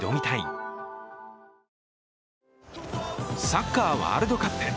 サッカーワールドカップ